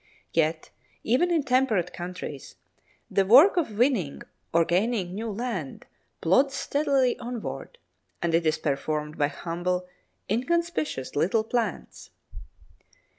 Yet, even in temperate countries, the work of winning or gaining new land plods steadily onwards, and it is performed by humble, inconspicuous little plants.